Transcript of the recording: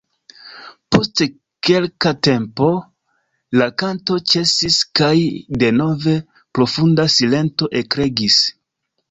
Post kelka tempo la kanto ĉesis, kaj denove profunda silento ekregis.